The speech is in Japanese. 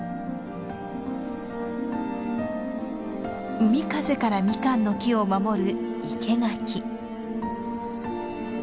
海風からミカンの木を守る